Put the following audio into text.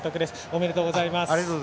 おめでとうございます。